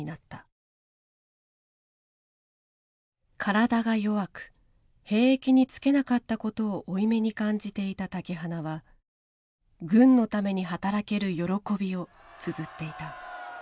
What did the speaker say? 体が弱く兵役につけなかったことを負い目に感じていた竹鼻は軍のために働ける喜びを綴っていた。